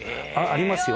ありますよ。